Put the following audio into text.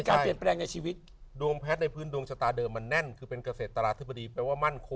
ทุกสามปีดวงมันจะเปลี่ยนเหรอคะ